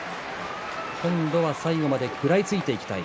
今度は最後まで食らいついていきたい。